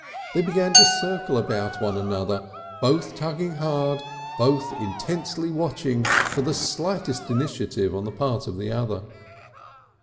They began to circle about one another, both tugging hard, both intensely watchful of the slightest initiative on the part of the other.